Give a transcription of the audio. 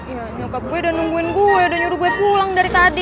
iya nyokap gue udah nungguin gue udah nyuruh buat pulang dari tadi